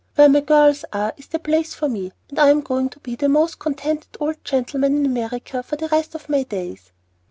"Where my girls are is the place for me; and I am going to be the most contented old gentleman in America for the rest of my days."